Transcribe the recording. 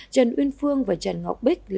trần uyên phương và trần ngọc bích